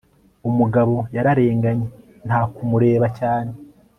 umugabo yararenganye nta kumureba cyane